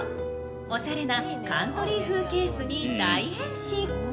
おしゃれなカントリー風ケースに大変身。